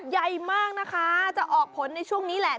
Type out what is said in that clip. ใหญ่มากนะคะจะออกผลในช่วงนี้แหละ